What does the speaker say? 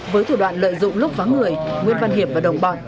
với thủ đoạn lợi dụng lúc phá người nguyễn văn hiệp và đồng bọn